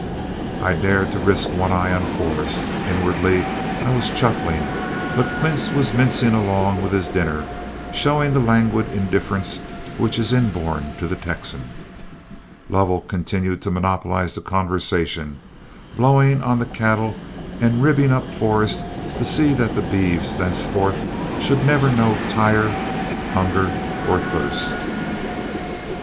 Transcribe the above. I dared to risk one eye on Forrest. Inwardly I was chuckling, but Quince was mincing along with his dinner, showing that languid indifference which is inborn to the Texan. Lovell continued to monopolize the conversation, blowing on the cattle and ribbing up Forrest to see that the beeves thenceforth should never know tire, hunger, or thirst.